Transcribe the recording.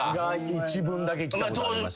一文だけ来たことあります。